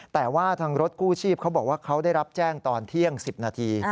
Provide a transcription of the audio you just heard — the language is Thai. แต่ว่าทางรถกู้ชีพเขาบอกว่าเขาได้รับแจ้งตอนเที่ยง๑๐นาที